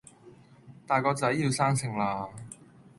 大個仔，要生性啦